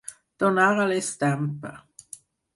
Donar a l'estampa.